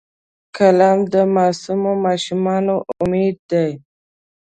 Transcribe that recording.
قلم د معصومو ماشومانو امید دی